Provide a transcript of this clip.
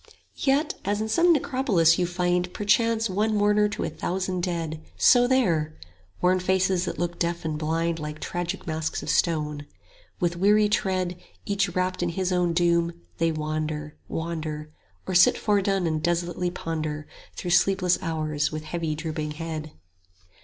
Yet as in some necropolis you find 50 Perchance one mourner to a thousand dead, So there: worn faces that look deaf and blind Like tragic masks of stone. With weary tread, Each wrapt in his own doom, they wander, wander, Or sit foredone and desolately ponder 55 Through sleepless hours with heavy drooping head.